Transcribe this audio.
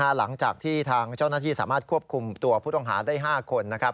หลังจากที่ทางเจ้าหน้าที่สามารถควบคุมตัวผู้ต้องหาได้๕คนนะครับ